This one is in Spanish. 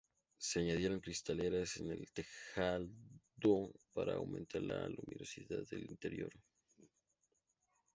Se añadieron cristaleras en el tejado para aumentar la luminosidad del interior.